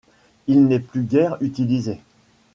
Il n'est plus guère utilisé.